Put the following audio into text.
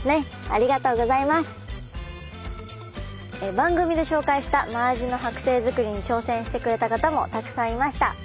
番組で紹介したマアジの剥製づくりに挑戦してくれた方もたくさんいました。